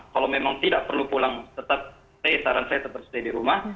kalau memang tidak perlu pulang tetap stay saran saya tetap stay di rumah